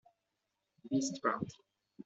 Beast part.